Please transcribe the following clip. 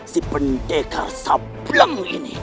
si pendekar sablang ini